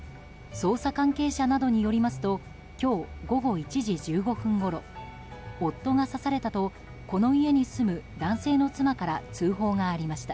捜査関係者などによりますと今日午後１時１５分ごろ夫が刺されたとこの家に住む男性の妻から通報がありました。